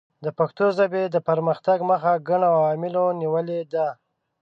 د پښتو ژبې د پرمختګ مخه ګڼو عواملو نیولې ده.